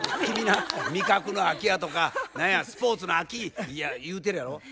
君な味覚の秋やとか何やスポーツの秋や言うてるやろ。